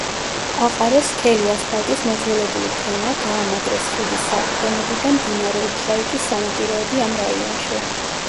აყარეს სქელი ასფალტის მოძველებული ფენა, გაამაგრეს ხიდის საყრდენები და მდინარე უშაიკის სანაპიროები ამ რაიონში.